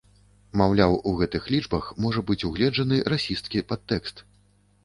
Маўляў, у гэтых лічбах можа быць угледжаны расісцкі падтэкст.